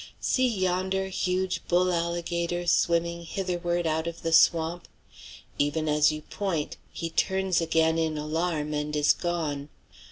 See yonder huge bull alligator swimming hitherward out of the swamp. Even as you point he turns again in alarm and is gone.